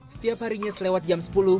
setiap harinya selewat jam sepuluh